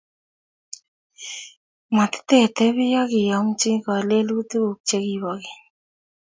Matitebii akiyomchi kalelutikuk chegibo keny